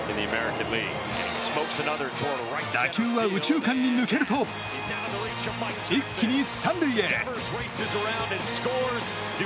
打球は右中間に抜けると一気に３塁へ。